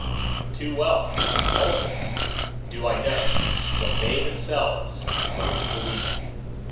Too well, also, do I know what they themselves most believe in.